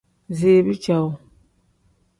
Ziibi cowuu.